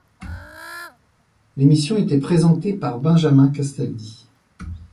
L'émission était présentée par Benjamin Castaldi.